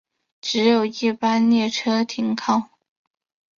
只有一般列车停靠。